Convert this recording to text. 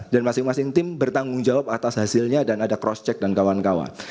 dan masing masing tim bertanggung jawab atas hasilnya dan ada cross check dan kawan kawan